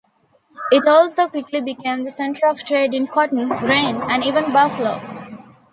It also quickly became the center of trade in cotton, grain, and even buffalo.